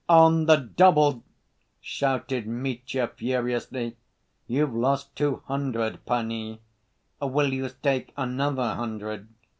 "On the double!" shouted Mitya furiously. "You've lost two hundred, panie. Will you stake another hundred?"